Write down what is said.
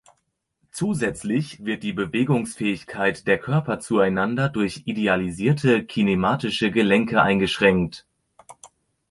Zusätzlich wird die Bewegungsfähigkeit der Körper zueinander durch idealisierte kinematische Gelenke eingeschränkt.